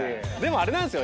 あれなんすよ。